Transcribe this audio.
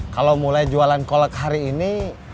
kalau mulai jualan kolek hari ini